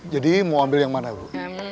jadi mau ambil yang mana ibu